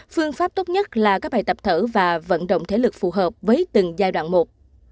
phương pháp tốt nhất là các bài tập thở và vận động thế lực phù hợp với từng giai đoạn một